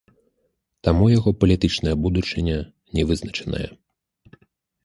Таму яго палітычная будучыня не вызначаная.